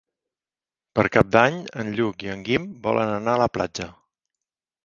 Per Cap d'Any en Lluc i en Guim volen anar a la platja.